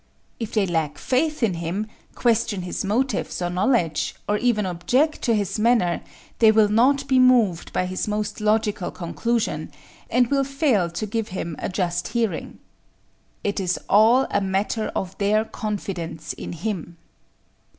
If they lack faith in him, question his motives or knowledge, or even object to his manner they will not be moved by his most logical conclusion and will fail to give him a just hearing. _It is all a matter of their confidence in him.